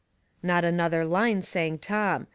Not another line sang Tom.